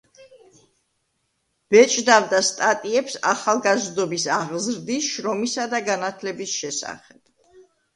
ბეჭდავდა სტატიებს ახალგაზრდობის აღზრდის, შრომისა და განათლების შესახებ.